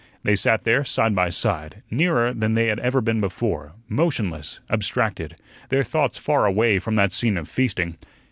They sat there side by side, nearer than they had ever been before, motionless, abstracted; their thoughts far away from that scene of feasting.